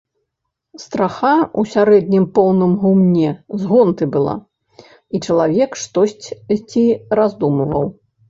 Страха ў сярэднім поўным гумне з гонты была, і чалавек штосьці раздумваў.